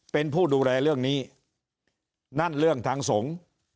เป็นผู้ดูแลเรื่องนี้นั่นเรื่องทางสงฆ์